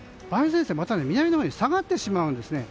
前線は、また南のほうに下がってしまうんですね。